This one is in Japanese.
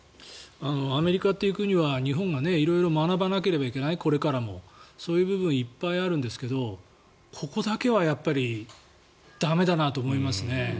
アメリカっていう国はこれから日本が色々学ばなければいけないそういう部分はいっぱいあるんですけどここだけはやっぱり駄目だなと思いますね。